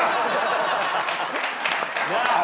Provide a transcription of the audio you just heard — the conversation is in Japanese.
なあ！